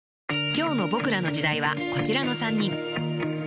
［今日の『ボクらの時代』はこちらの３人］